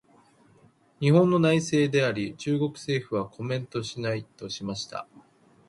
「日本の内政であり、中国政府はコメントしない」としました。